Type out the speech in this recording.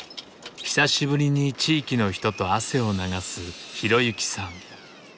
久しぶりに地域の人と汗を流す浩行さん。